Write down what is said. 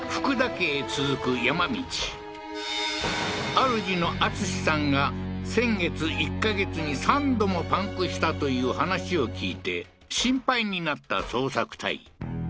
家へ続く山道あるじの敦さんが先月１か月に３度もパンクしたという話を聞いて心配になった捜索隊